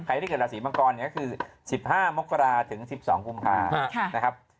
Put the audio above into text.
ที่เกิดราศีมังกรเนี่ยก็คือ๑๕มกราถึง๑๒กุมภานะครับ